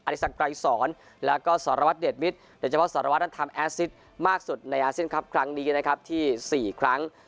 อริสังกลายศรและก็สรวรรภ์เดชมิตรโดยเฉพาะสรวรรภ์นั้นทำอาซิดมากสุดในอาซิดครับครั้งนี้นะครับที่๔ครั้ง